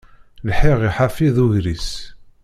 Lḥiɣ i ḥafi d ugris.